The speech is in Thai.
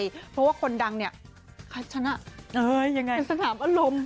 เพราะว่าคนดังเนี่ยชนะยังไงเป็นสนามอารมณ์